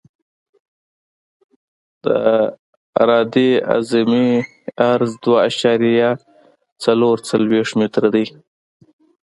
د عرادې اعظمي عرض دوه اعشاریه څلور څلویښت متره دی